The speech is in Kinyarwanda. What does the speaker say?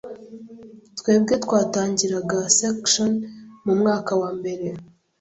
twebwe twatangiriraga section mu mwaka wa mbere